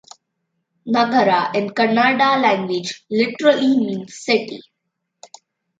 "Nagara" in Kannada language literally means "city".